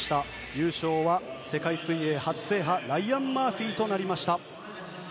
優勝は世界水泳初制覇ライアン・マーフィーでした。